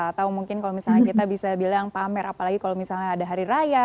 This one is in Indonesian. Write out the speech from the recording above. atau mungkin kalau misalnya kita bisa bilang pamer apalagi kalau misalnya ada hari raya